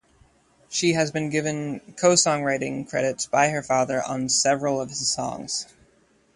She has been given co-songwriting credits by her father on several of his songs.